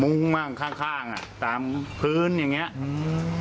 มั่งข้างข้างอ่ะตามพื้นอย่างเงี้อืม